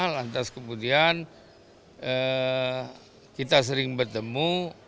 lantas kemudian kita sering bertemu